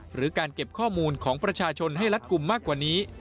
หรือการเก็บข้อมูลของประชาชนให้รัดกลุ่มมากกว่านี้